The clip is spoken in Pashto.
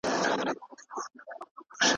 احمدشاه بابا ته د بابا لقب ورکړل شو.